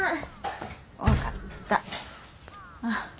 分かった。